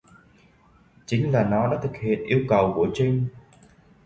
chính là Nó đã thực hiện yêu cầu của Trinh